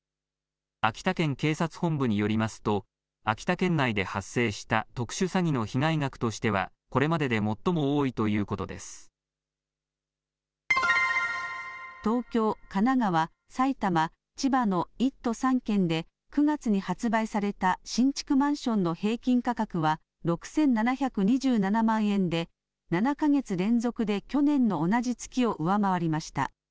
秋田県警察本部によりますと、秋田県内で発生した特殊詐欺の被害額としては、これまでで最も多東京、神奈川、埼玉、千葉の１都３県で、９月に発売された新築マンションの平均価格は、６７２７万円で、７か月連続で去年の同じ月を上回りました。